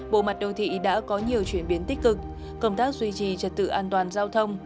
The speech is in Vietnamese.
bộ mặt đô thị đã có nhiều chuyển biến tích cực công tác duy trì trật tự an toàn giao thông